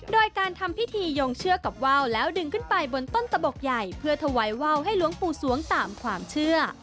โดยการทำพิธียงเชือกกับว่าวแล้วดึงขึ้นไปบนต้นตะบกใหญ่เพื่อถวายว่าวให้หลวงปู่สวงตามความเชื่อ